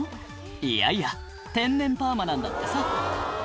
いやいや天然パーマなんだってさ